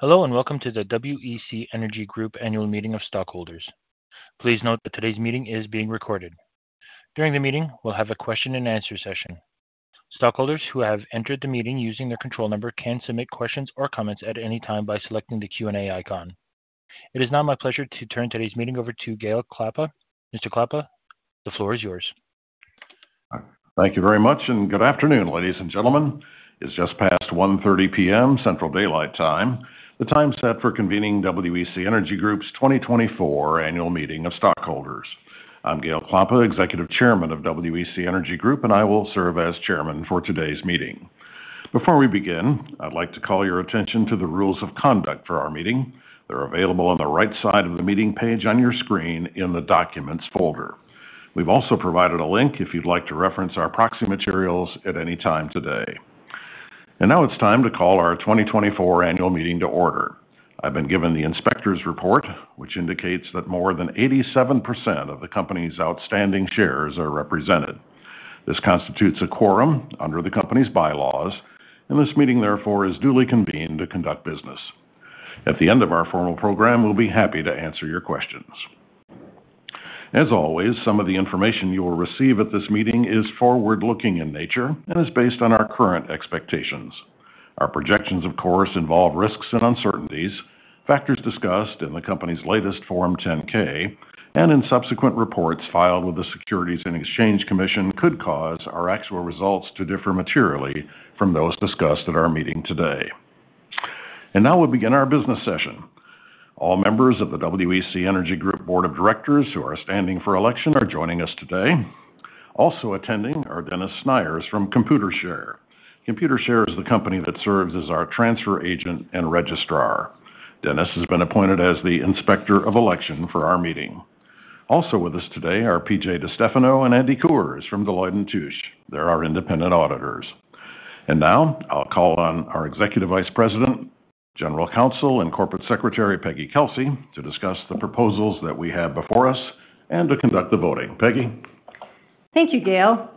Hello, and welcome to the WEC Energy Group Annual Meeting of Stockholders. Please note that today's meeting is being recorded. During the meeting, we'll have a question and answer session. Stockholders who have entered the meeting using their control number can submit questions or comments at any time by selecting the Q&A icon. It is now my pleasure to turn today's meeting over to Gale Klappa. Mr. Klappa, the floor is yours. Thank you very much, and good afternoon, ladies and gentlemen. It's just past 1:30 P.M. Central Daylight Time, the time set for convening WEC Energy Group's 2024 Annual Meeting of Stockholders. I'm Gale Klappa, Executive Chairman of WEC Energy Group, and I will serve as Chairman for today's meeting. Before we begin, I'd like to call your attention to the rules of conduct for our meeting. They're available on the right side of the meeting page on your screen in the Documents folder. We've also provided a link if you'd like to reference our proxy materials at any time today. Now it's time to call our 2024 annual meeting to order. I've been given the inspector's report, which indicates that more than 87% of the company's outstanding shares are represented. This constitutes a quorum under the company's bylaws, and this meeting, therefore, is duly convened to conduct business. At the end of our formal program, we'll be happy to answer your questions. As always, some of the information you will receive at this meeting is forward-looking in nature and is based on our current expectations. Our projections, of course, involve risks and uncertainties. Factors discussed in the company's latest Form 10-K and in subsequent reports filed with the Securities and Exchange Commission could cause our actual results to differ materially from those discussed at our meeting today. Now we'll begin our business session. All members of the WEC Energy Group Board of Directors who are standing for election are joining us today. Also attending are Dennis Snyder from Computershare. Computershare is the company that serves as our transfer agent and registrar. Dennis has been appointed as the Inspector of Election for our meeting. Also with us today are P.J. DiStefano and Andy Kurz from Deloitte & Touche. They're our independent auditors. And now I'll call on our Executive Vice President, General Counsel, and Corporate Secretary, Peggy Kelsey, to discuss the proposals that we have before us and to conduct the voting. Peggy? Thank you, Gale.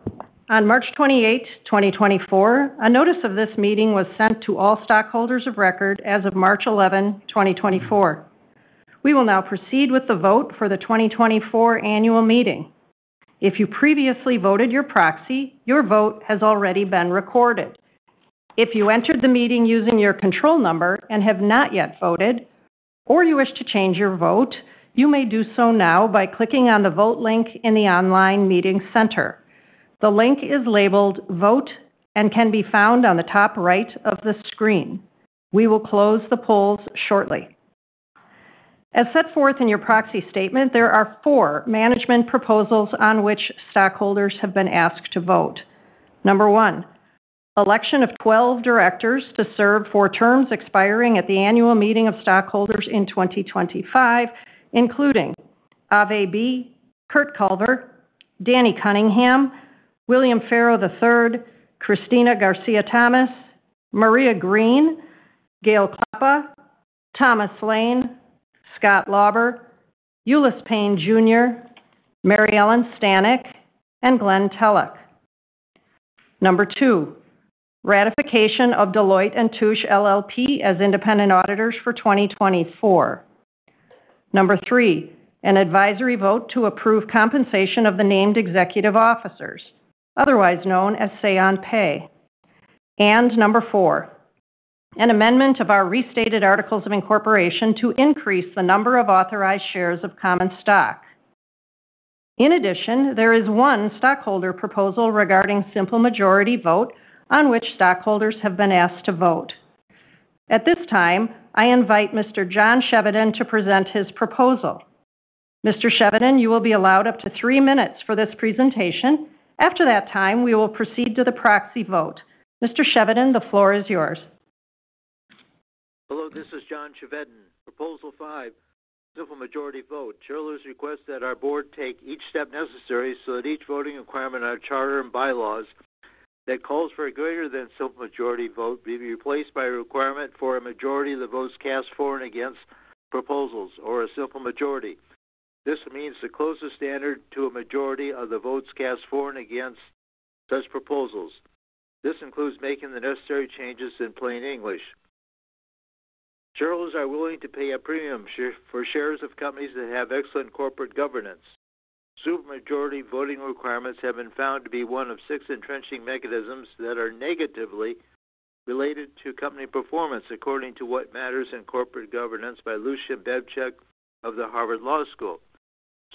On March 28, 2024, a notice of this meeting was sent to all stockholders of record as of March 11, 2024. We will now proceed with the vote for the 2024 annual meeting. If you previously voted your proxy, your vote has already been recorded. If you entered the meeting using your control number and have not yet voted, or you wish to change your vote, you may do so now by clicking on the Vote link in the online meeting center. The link is labeled Vote and can be found on the top right of the screen. We will close the polls shortly. As set forth in your proxy statement, there are four management proposals on which stockholders have been asked to vote. Number one, election of 12 directors to serve for terms expiring at the annual meeting of stockholders in 2025, including Ave Bie, Curt Culver, Danny Cunningham, William Farrow, III, Cristina Garcia-Thomas, Maria Green, Gale Klappa, Thomas Lane, Scott Lauber, Ulice Payne, Jr., Mary Ellen Stanek, and Glen Tellock. Number two, ratification of Deloitte & Touche LLP as independent auditors for 2024. Number three, an advisory vote to approve compensation of the named executive officers, otherwise known as Say-on-Pay. Number four, an amendment of our restated articles of incorporation to increase the number of authorized shares of common stock. In addition, there is one stockholder proposal regarding simple majority vote on which stockholders have been asked to vote. At this time, I invite Mr. John Chevedden to present his proposal. Mr. Chevedden, you will be allowed up to 3 minutes for this presentation. After that time, we will proceed to the proxy vote. Mr. Chevedden, the floor is yours. Hello, this is John Chevedden. Proposal 5, simple majority vote. Shareholders request that our board take each step necessary so that each voting requirement on our charter and bylaws that calls for a greater than simple majority vote be replaced by a requirement for a majority of the votes cast for and against proposals or a simple majority. This means the closest standard to a majority of the votes cast for and against such proposals. This includes making the necessary changes in plain English. Shareholders are willing to pay a premium for shares of companies that have excellent corporate governance. Supermajority voting requirements have been found to be one of six entrenching mechanisms that are negatively related to company performance, according to What Matters in Corporate Governance by Lucian Bebchuk of the Harvard Law School.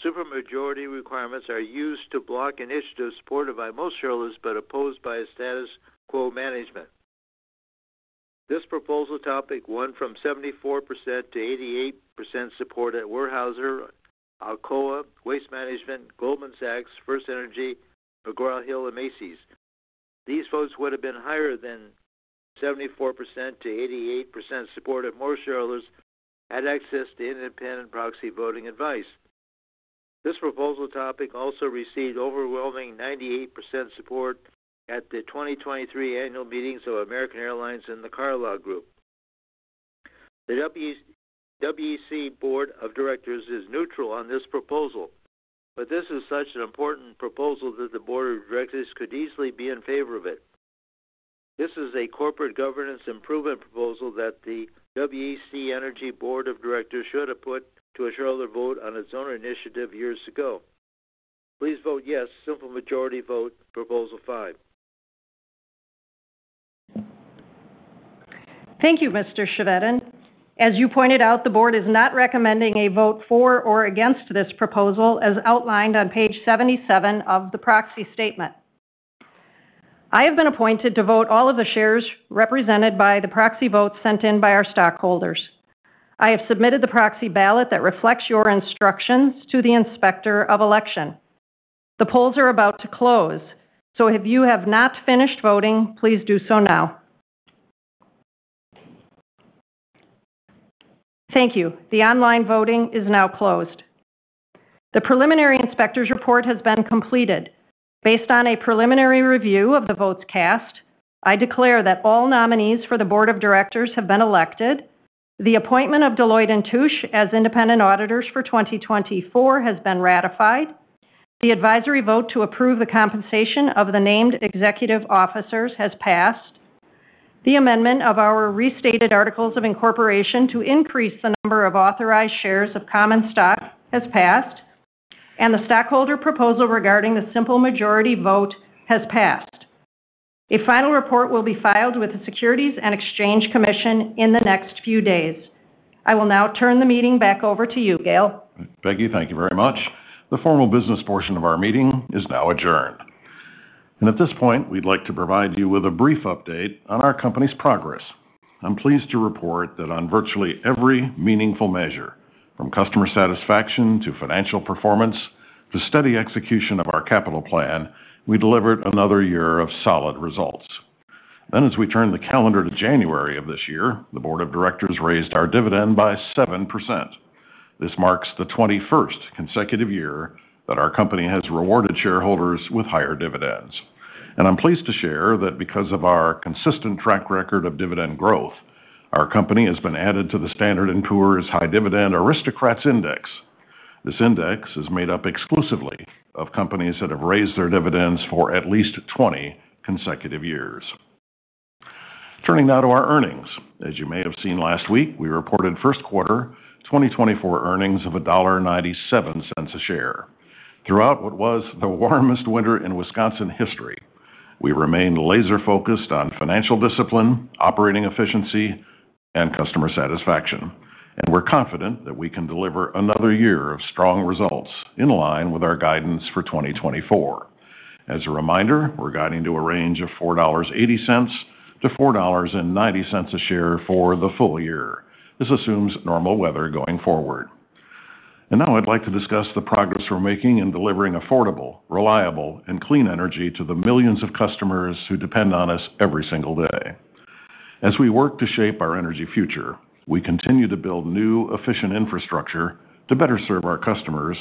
Supermajority requirements are used to block initiatives supported by most shareholders, but opposed by a status quo management. This proposal topic won 74%-88% support at Weyerhaeuser, Alcoa, Waste Management, Goldman Sachs, FirstEnergy, McGraw Hill, and Macy's. These votes would have been higher than 74%-88% support if more shareholders had access to independent proxy voting advice. This proposal topic also received overwhelming 98% support at the 2023 annual meetings of American Airlines and the Carlyle Group. The WEC Board of Directors is neutral on this proposal.... But this is such an important proposal that the board of directors could easily be in favor of it. This is a corporate governance improvement proposal that the WEC Energy Board of Directors should have put to a shareholder vote on its own initiative years ago. Please vote yes, simple majority vote, Proposal Five. Thank you, Mr. Chevedden. As you pointed out, the board is not recommending a vote for or against this proposal, as outlined on page 77 of the proxy statement. I have been appointed to vote all of the shares represented by the proxy votes sent in by our stockholders. I have submitted the proxy ballot that reflects your instructions to the Inspector of Election. The polls are about to close, so if you have not finished voting, please do so now. Thank you. The online voting is now closed. The preliminary inspector's report has been completed. Based on a preliminary review of the votes cast, I declare that all nominees for the board of directors have been elected. The appointment of Deloitte & Touche as independent auditors for 2024 has been ratified. The advisory vote to approve the compensation of the named executive officers has passed. The amendment of our restated articles of incorporation to increase the number of authorized shares of common stock has passed, and the stockholder proposal regarding the simple majority vote has passed. A final report will be filed with the Securities and Exchange Commission in the next few days. I will now turn the meeting back over to you, Gale. Peggy, thank you very much. The formal business portion of our meeting is now adjourned. At this point, we'd like to provide you with a brief update on our company's progress. I'm pleased to report that on virtually every meaningful measure, from customer satisfaction to financial performance, to steady execution of our capital plan, we delivered another year of solid results. Then, as we turn the calendar to January of this year, the board of directors raised our dividend by 7%. This marks the 21st consecutive year that our company has rewarded shareholders with higher dividends. I'm pleased to share that because of our consistent track record of dividend growth, our company has been added to the Standard and Poor's High Yield Dividend Aristocrats Index. This index is made up exclusively of companies that have raised their dividends for at least 20 consecutive years. Turning now to our earnings. As you may have seen last week, we reported first quarter 2024 earnings of $1.97 a share. Throughout what was the warmest winter in Wisconsin history, we remained laser-focused on financial discipline, operating efficiency, and customer satisfaction, and we're confident that we can deliver another year of strong results in line with our guidance for 2024. As a reminder, we're guiding to a range of $4.80-$4.90 a share for the full year. This assumes normal weather going forward. And now I'd like to discuss the progress we're making in delivering affordable, reliable, and clean energy to the millions of customers who depend on us every single day. As we work to shape our energy future, we continue to build new, efficient infrastructure to better serve our customers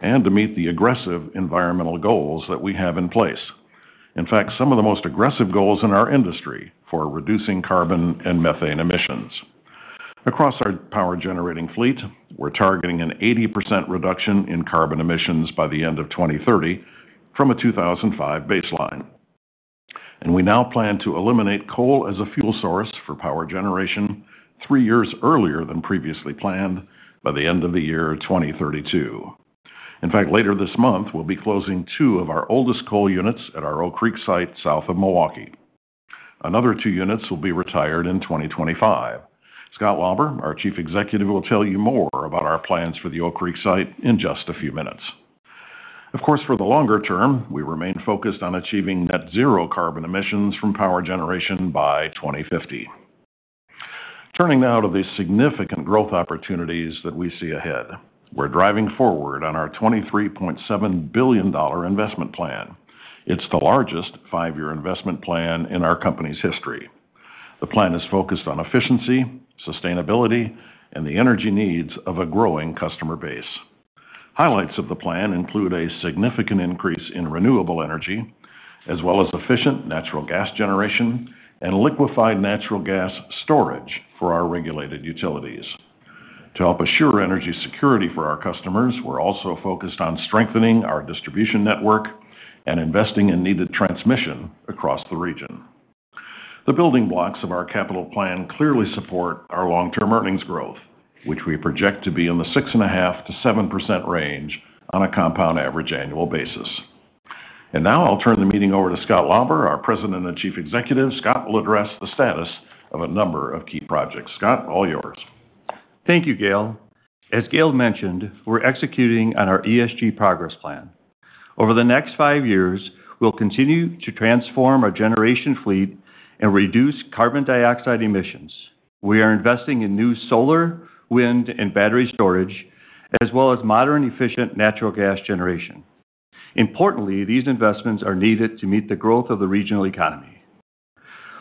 and to meet the aggressive environmental goals that we have in place. In fact, some of the most aggressive goals in our industry for reducing carbon and methane emissions. Across our power-generating fleet, we're targeting an 80% reduction in carbon emissions by the end of 2030 from a 2005 baseline. And we now plan to eliminate coal as a fuel source for power generation three years earlier than previously planned, by the end of the year 2032. In fact, later this month, we'll be closing two of our oldest coal units at our Oak Creek site south of Milwaukee. Another two units will be retired in 2025. Scott Lauber, our Chief Executive, will tell you more about our plans for the Oak Creek site in just a few minutes. Of course, for the longer term, we remain focused on achieving net zero carbon emissions from power generation by 2050. Turning now to the significant growth opportunities that we see ahead. We're driving forward on our $23.7 billion investment plan. It's the largest five-year investment plan in our company's history. The plan is focused on efficiency, sustainability, and the energy needs of a growing customer base. Highlights of the plan include a significant increase in renewable energy, as well as efficient natural gas generation and liquefied natural gas storage for our regulated utilities. To help assure energy security for our customers, we're also focused on strengthening our distribution network and investing in needed transmission across the region. The building blocks of our capital plan clearly support our long-term earnings growth, which we project to be in the 6.5%-7% range on a compound average annual basis. Now I'll turn the meeting over to Scott Lauber, our President and Chief Executive. Scott, all yours. Thank you, Gale. As Gale mentioned, we're executing on our ESG progress plan. Over the next five years, we'll continue to transform our generation fleet and reduce carbon dioxide emissions. We are investing in new solar, wind, and battery storage, as well as modern, efficient natural gas generation. Importantly, these investments are needed to meet the growth of the regional economy.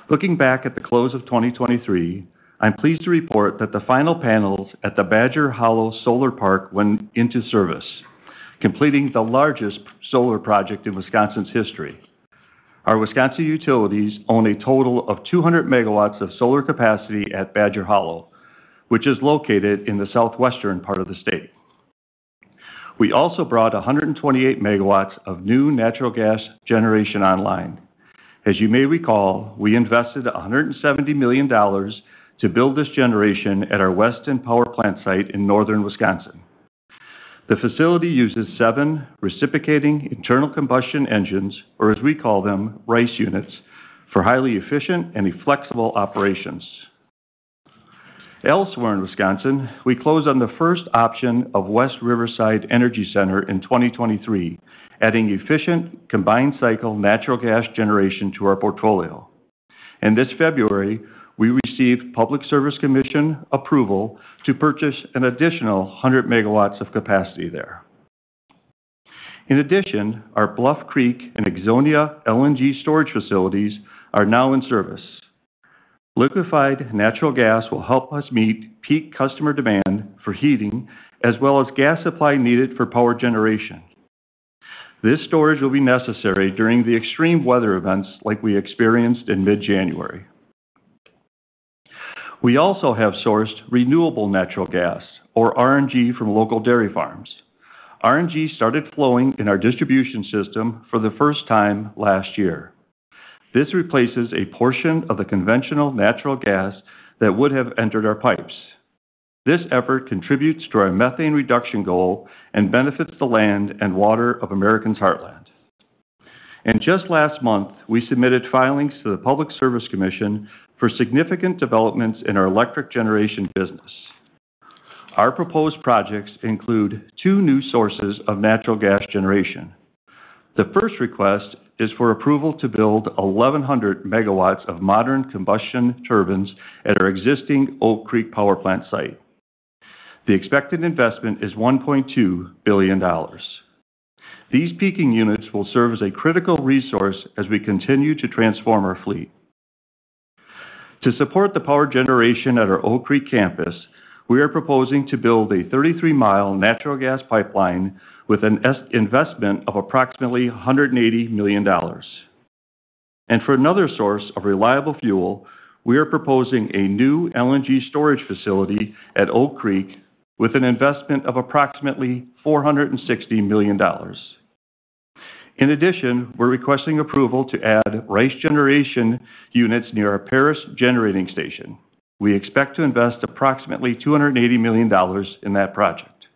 Looking back at the close of 2023, I'm pleased to report that the final panels at the Badger Hollow Solar Park went into service, completing the largest solar project in Wisconsin's history. Our Wisconsin utilities own a total of 200 megawatts of solar capacity at Badger Hollow, which is located in the southwestern part of the state. We also brought 128 megawatts of new natural gas generation online. As you may recall, we invested $170 million to build this generation at our Weston Power Plant site in northern Wisconsin. The facility uses seven reciprocating internal combustion engines, or as we call them, RICE units, for highly efficient and flexible operations. Elsewhere in Wisconsin, we closed on the first option of West Riverside Energy Center in 2023, adding efficient, combined-cycle natural gas generation to our portfolio. This February, we received Public Service Commission approval to purchase an additional 100 megawatts of capacity there. In addition, our Bluff Creek and Ixonia LNG storage facilities are now in service. Liquefied natural gas will help us meet peak customer demand for heating, as well as gas supply needed for power generation. This storage will be necessary during the extreme weather events like we experienced in mid-January. We also have sourced renewable natural gas, or RNG, from local dairy farms. RNG started flowing in our distribution system for the first time last year. This replaces a portion of the conventional natural gas that would have entered our pipes. This effort contributes to our methane reduction goal and benefits the land and water of America's heartland. Just last month, we submitted filings to the Public Service Commission for significant developments in our electric generation business. Our proposed projects include two new sources of natural gas generation. The first request is for approval to build 1,100 megawatts of modern combustion turbines at our existing Oak Creek Power Plant site. The expected investment is $1.2 billion. These peaking units will serve as a critical resource as we continue to transform our fleet. To support the power generation at our Oak Creek campus, we are proposing to build a 33-mile natural gas pipeline with an investment of approximately $180 million. For another source of reliable fuel, we are proposing a new LNG storage facility at Oak Creek with an investment of approximately $460 million. In addition, we're requesting approval to add RICE generation units near our Paris Generating Station. We expect to invest approximately $280 million in that project.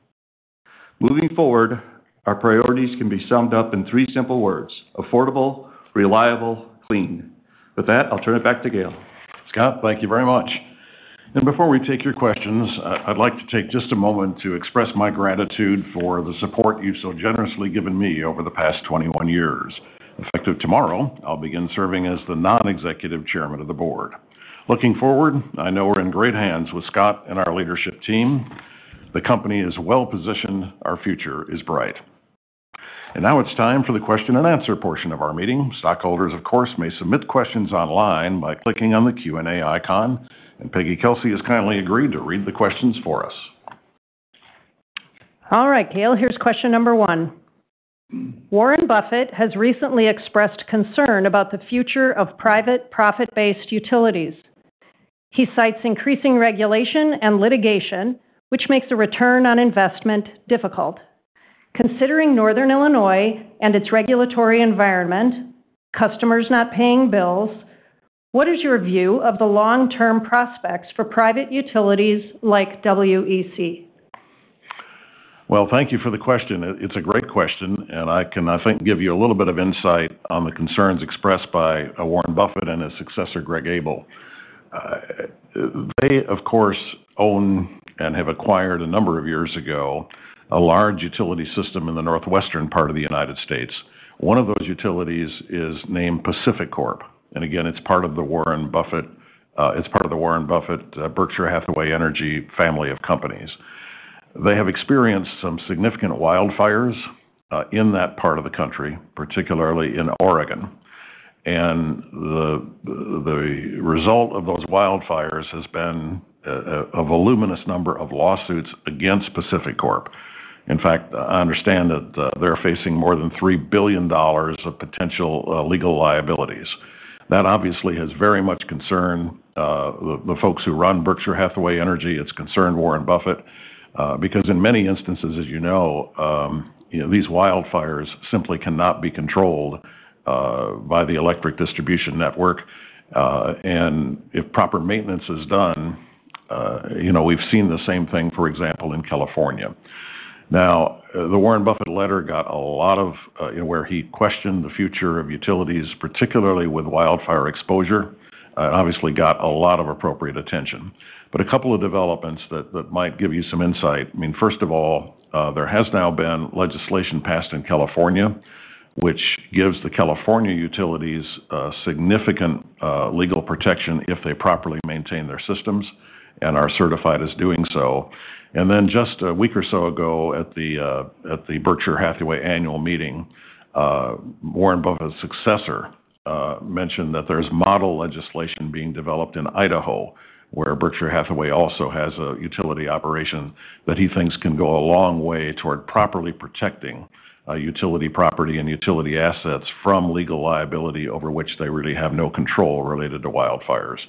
Moving forward, our priorities can be summed up in three simple words: affordable, reliable, clean. With that, I'll turn it back to Gale. Scott, thank you very much. Before we take your questions, I'd like to take just a moment to express my gratitude for the support you've so generously given me over the past 21 years. Effective tomorrow, I'll begin serving as the non-executive chairman of the board. Looking forward, I know we're in great hands with Scott and our leadership team. The company is well-positioned. Our future is bright. Now it's time for the question and answer portion of our meeting. Stockholders, of course, may submit questions online by clicking on the Q&A icon, and Peggy Kelsey has kindly agreed to read the questions for us. All right, Gale, here's question number one. Warren Buffett has recently expressed concern about the future of private, profit-based utilities. He cites increasing regulation and litigation, which makes the return on investment difficult. Considering northern Illinois and its regulatory environment, customers not paying bills, what is your view of the long-term prospects for private utilities like WEC? Well, thank you for the question. It's a great question, and I can, I think, give you a little bit of insight on the concerns expressed by Warren Buffett and his successor, Greg Abel. They, of course, own and have acquired, a number of years ago, a large utility system in the northwestern part of the United States. One of those utilities is named PacifiCorp, and again, it's part of the Warren Buffett Berkshire Hathaway Energy family of companies. They have experienced some significant wildfires in that part of the country, particularly in Oregon, and the result of those wildfires has been a voluminous number of lawsuits against PacifiCorp. In fact, I understand that they're facing more than $3 billion of potential legal liabilities. That obviously has very much concerned the folks who run Berkshire Hathaway Energy. It's concerned Warren Buffett because in many instances, as you know, you know, these wildfires simply cannot be controlled by the electric distribution network and if proper maintenance is done, you know, we've seen the same thing, for example, in California. Now, the Warren Buffett letter got a lot of where he questioned the future of utilities, particularly with wildfire exposure, obviously got a lot of appropriate attention. But a couple of developments that might give you some insight, I mean, first of all, there has now been legislation passed in California, which gives the California utilities significant legal protection if they properly maintain their systems and are certified as doing so. And then, just a week or so ago, at the, at the Berkshire Hathaway annual meeting, Warren Buffett's successor mentioned that there's model legislation being developed in Idaho, where Berkshire Hathaway also has a utility operation, that he thinks can go a long way toward properly protecting utility property and utility assets from legal liability over which they really have no control related to wildfires.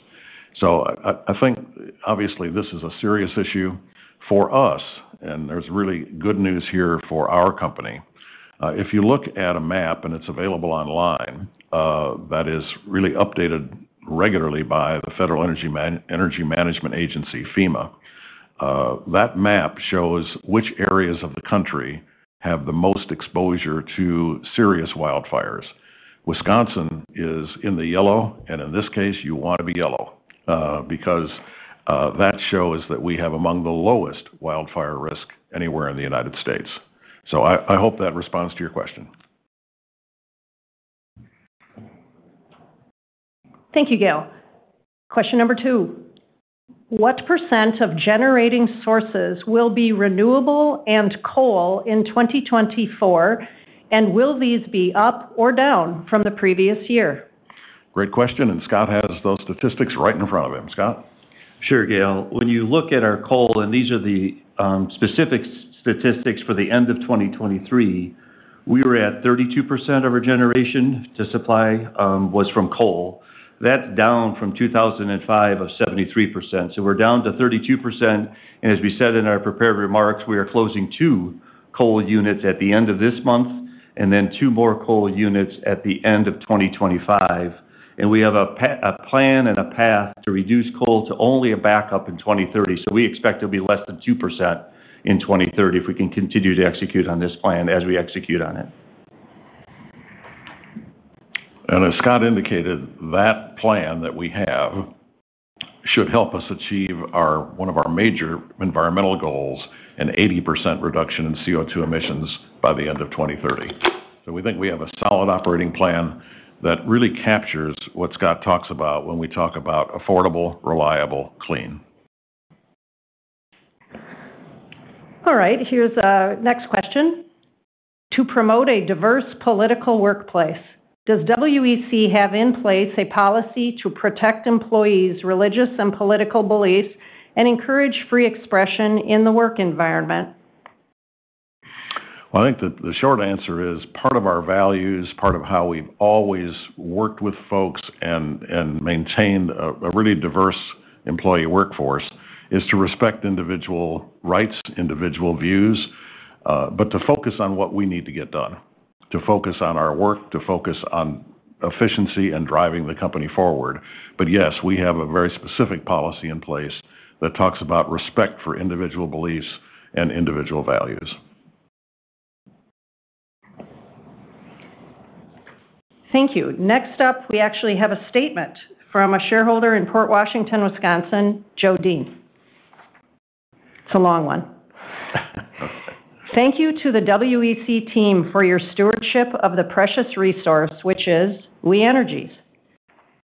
So I, I think obviously this is a serious issue for us, and there's really good news here for our company. If you look at a map, and it's available online, that is really updated regularly by the Federal Emergency Management Agency, FEMA, that map shows which areas of the country have the most exposure to serious wildfires. Wisconsin is in the yellow, and in this case, you want to be yellow, because that shows that we have among the lowest wildfire risk anywhere in the United States. I hope that responds to your question. Thank you, Gale. Question number 2: What % of generating sources will be renewable and coal in 2024, and will these be up or down from the previous year? Great question, and Scott has those statistics right in front of him. Scott? Sure, Gale. When you look at our coal, and these are the specific statistics for the end of 2023, we were at 32% of our generation to supply was from coal. That's down from 2005 of 73%. So we're down to 32%, and as we said in our prepared remarks, we are closing two coal units at the end of this month, and then two more coal units at the end of 2025. And we have a plan and a path to reduce coal to only a backup in 2030. So we expect to be less than 2% in 2030, if we can continue to execute on this plan as we execute on it. As Scott indicated, that plan that we have should help us achieve one of our major environmental goals, an 80% reduction in CO2 emissions by the end of 2030. So we think we have a solid operating plan that really captures what Scott talks about when we talk about affordable, reliable, clean. All right, here's our next question. To promote a diverse political workplace, does WEC have in place a policy to protect employees' religious and political beliefs and encourage free expression in the work environment? Well, I think that the short answer is, part of our values, part of how we've always worked with folks and maintained a really diverse employee workforce, is to respect individual rights, individual views, but to focus on what we need to get done, to focus on our work, to focus on efficiency and driving the company forward. But yes, we have a very specific policy in place that talks about respect for individual beliefs and individual values. Thank you. Next up, we actually have a statement from a shareholder in Port Washington, Wisconsin, Joe Dean. It's a long one. Thank you to the WEC team for your stewardship of the precious resource, which is We Energies.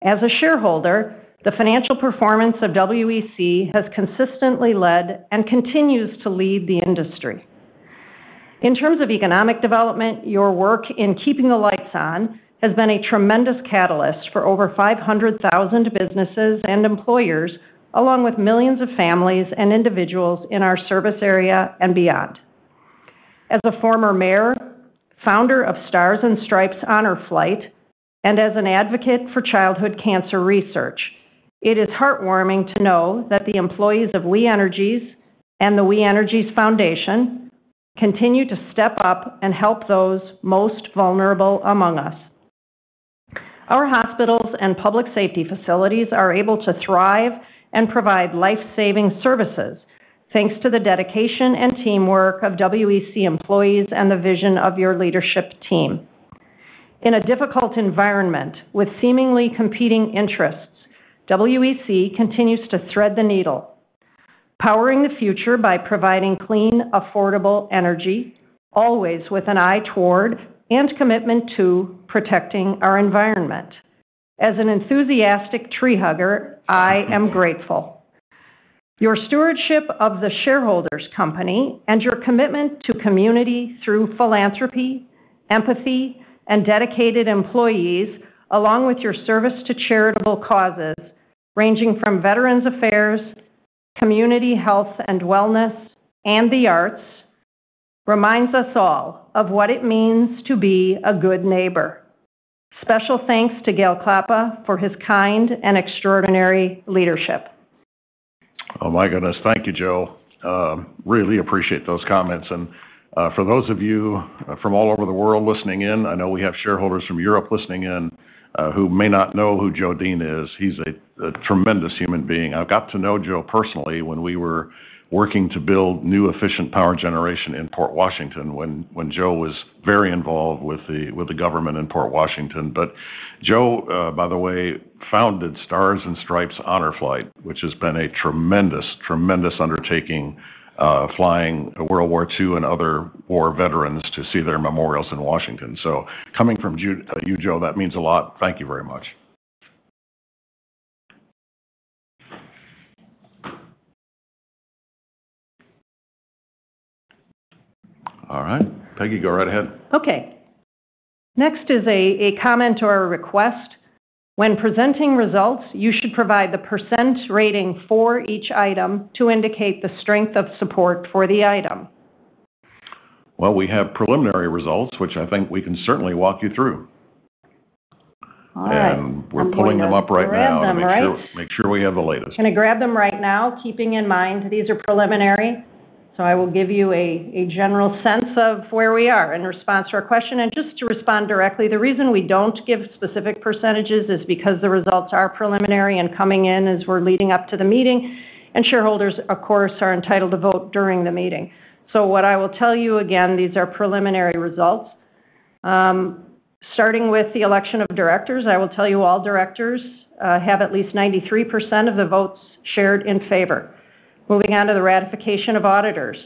As a shareholder, the financial performance of WEC has consistently led and continues to lead the industry. In terms of economic development, your work in keeping the lights on has been a tremendous catalyst for over 500,000 businesses and employers, along with millions of families and individuals in our service area and beyond. As a former mayor, founder of Stars and Stripes Honor Flight, and as an advocate for childhood cancer research, it is heartwarming to know that the employees of We Energies and the We Energies Foundation continue to step up and help those most vulnerable among us. Our hospitals and public safety facilities are able to thrive and provide life-saving services, thanks to the dedication and teamwork of WEC employees and the vision of your leadership team. In a difficult environment with seemingly competing interests, WEC continues to thread the needle, powering the future by providing clean, affordable energy, always with an eye toward and commitment to protecting our environment. As an enthusiastic tree hugger, I am grateful. Your stewardship of the shareholders' company and your commitment to community through philanthropy, empathy, and dedicated employees, along with your service to charitable causes, ranging from veterans affairs, community health and wellness, and the arts, reminds us all of what it means to be a good neighbor. Special thanks to Gale Klappa for his kind and extraordinary leadership. Oh, my goodness. Thank you, Joe. Really appreciate those comments. And for those of you from all over the world listening in, I know we have shareholders from Europe listening in, who may not know who Joe Dean is. He's a tremendous human being. I got to know Joe personally when we were working to build new efficient power generation in Port Washington, when Joe was very involved with the government in Port Washington. But Joe, by the way, founded Stars and Stripes Honor Flight, which has been a tremendous, tremendous undertaking, flying World War II and other war veterans to see their memorials in Washington. So coming from you, Joe, that means a lot. Thank you very much. All right, Peggy, go right ahead. Okay. Next is a comment or a request: when presenting results, you should provide the percent rating for each item to indicate the strength of support for the item. Well, we have preliminary results, which I think we can certainly walk you through. All right. We're pulling them up right now- You're going to grab them, right? Make sure we have the latest. Gonna grab them right now, keeping in mind these are preliminary. So I will give you a general sense of where we are in response to our question. And just to respond directly, the reason we don't give specific percentages is because the results are preliminary and coming in as we're leading up to the meeting, and shareholders, of course, are entitled to vote during the meeting. So what I will tell you, again, these are preliminary results. Starting with the election of directors, I will tell you all directors have at least 93% of the votes shared in favor. Moving on to the ratification of auditors,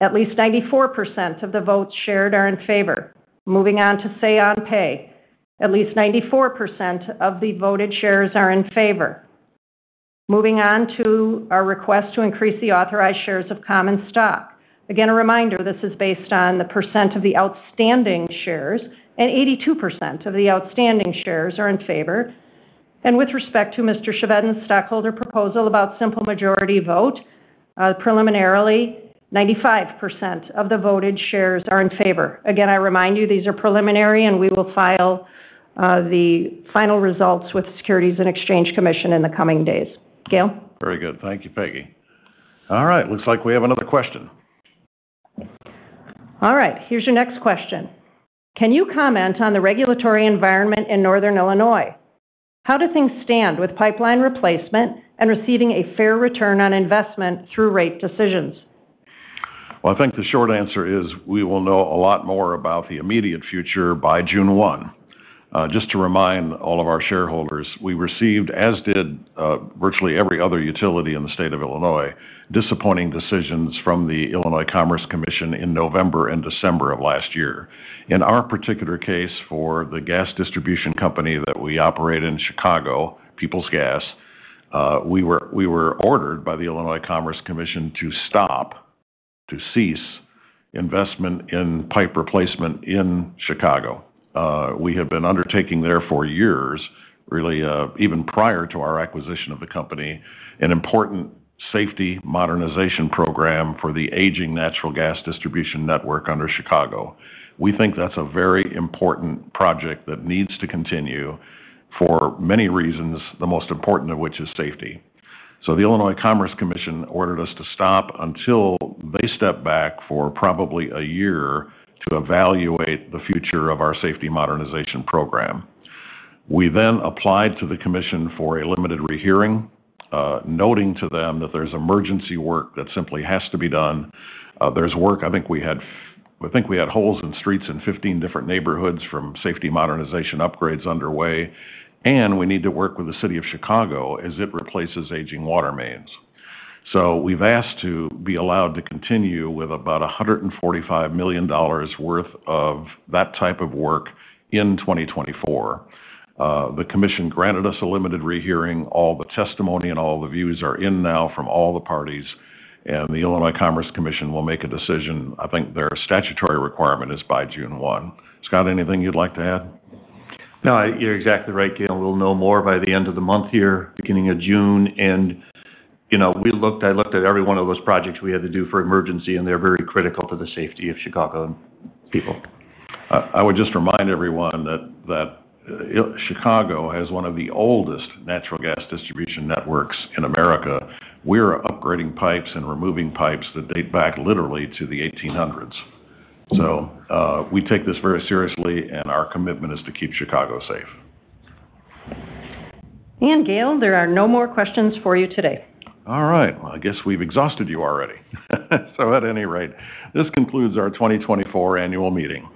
at least 94% of the votes shared are in favor. Moving on to Say-on-Pay, at least 94% of the voted shares are in favor. Moving on to our request to increase the authorized shares of common stock. Again, a reminder, this is based on the percent of the outstanding shares, and 82% of the outstanding shares are in favor. With respect to Mr. Chevedden's stockholder proposal about simple majority vote, preliminarily, 95% of the voted shares are in favor. Again, I remind you, these are preliminary, and we will file the final results with the Securities and Exchange Commission in the coming days. Gale? Very good. Thank you, Peggy. All right, looks like we have another question. All right, here's your next question: Can you comment on the regulatory environment in Northern Illinois? How do things stand with pipeline replacement and receiving a fair return on investment through rate decisions? Well, I think the short answer is, we will know a lot more about the immediate future by June one. Just to remind all of our shareholders, we received, as did, virtually every other utility in the state of Illinois, disappointing decisions from the Illinois Commerce Commission in November and December of last year. In our particular case, for the gas distribution company that we operate in Chicago, Peoples Gas, we were ordered by the Illinois Commerce Commission to stop, to cease investment in pipe replacement in Chicago. We have been undertaking there for years, really, even prior to our acquisition of the company, an important safety modernization program for the aging natural gas distribution network under Chicago. We think that's a very important project that needs to continue for many reasons, the most important of which is safety. So the Illinois Commerce Commission ordered us to stop until they step back for probably a year to evaluate the future of our safety modernization program. We then applied to the commission for a limited rehearing, noting to them that there's emergency work that simply has to be done. There's work—I think we had holes in streets in 15 different neighborhoods from safety modernization upgrades underway, and we need to work with the city of Chicago as it replaces aging water mains. So we've asked to be allowed to continue with about $145 million worth of that type of work in 2024. The commission granted us a limited rehearing. All the testimony and all the views are in now from all the parties, and the Illinois Commerce Commission will make a decision. I think their statutory requirement is by June 1. Scott, anything you'd like to add? No, you're exactly right, Gale. We'll know more by the end of the month here, beginning of June, and, you know, we looked- I looked at every one of those projects we had to do for emergency, and they're very critical to the safety of Chicago people. I would just remind everyone that Chicago has one of the oldest natural gas distribution networks in America. We're upgrading pipes and removing pipes that date back literally to the 1800s. So, we take this very seriously, and our commitment is to keep Chicago safe. Gale, there are no more questions for you today. All right, well, I guess we've exhausted you already. So at any rate, this concludes our 2024 annual meeting.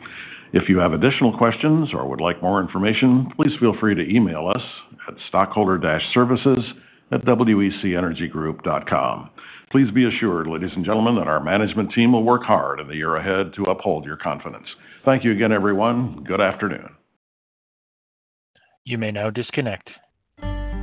If you have additional questions or would like more information, please feel free to email us at stockholder-services@wecenergygroup.com. Please be assured, ladies and gentlemen, that our management team will work hard in the year ahead to uphold your confidence. Thank you again, everyone. Good afternoon. You may now disconnect.